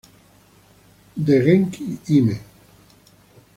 Dengeki Hime